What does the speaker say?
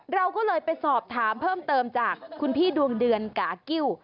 เราก็เลยไปสอบถามเพิ่มเติมจากคุณพี่ดวงเดือนกากิ้ว